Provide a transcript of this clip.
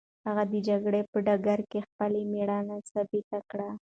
هغه د جګړې په ډګر کې خپله مېړانه ثابته کړه.